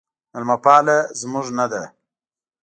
میلمه پاله زموږ نه ده